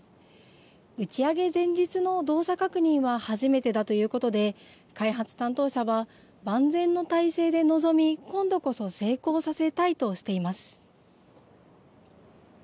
打ち上げ前日の動作確認は初めてだということで、開発担当者は、万全の態勢で臨み、今度こそ成功させたいとしています。